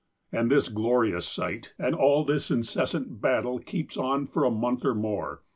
And this glorious sight, and all this incessant battle, keeps on for a month or more.